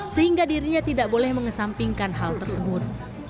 sehingga dirinya tidak boleh mengesampingkan hal tersebut